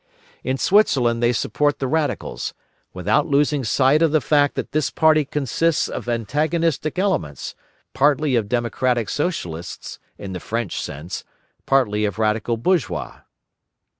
In Switzerland they support the Radicals, without losing sight of the fact that this party consists of antagonistic elements, partly of Democratic Socialists, in the French sense, partly of radical bourgeois.